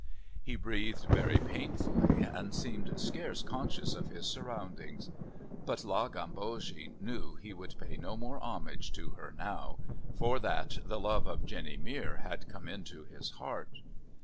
He breathed very painfully and seemed scarce conscious of his surroundings. But La Gambogi knew he would pay no more homage to her now, for that the love of Jenny Mere had come into his heart.